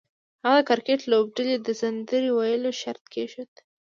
هغه د کرکټ لوبډلې ته د سندرې ویلو شرط کېښود